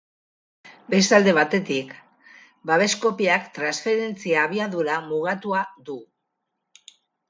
Beste alde batetik, babes-kopiak transferentzia-abiadura mugatua du.